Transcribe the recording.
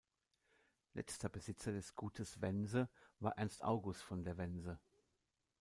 Letzter Besitzer des Gutes Wense war Ernst-August von der Wense.